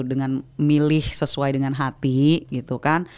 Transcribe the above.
dengan milih sesuai dengan hati gitu kan